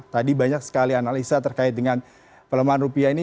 tadi banyak sekali analisa terkait dengan pelemahan rupiah ini